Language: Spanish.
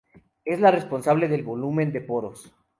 Es la responsable del volumen de poros.